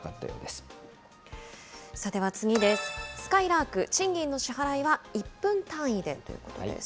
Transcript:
すかいらーく、賃金の支払いは１分単位でということです。